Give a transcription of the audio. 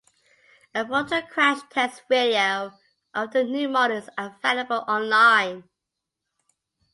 A frontal crash test video of the new model is available online.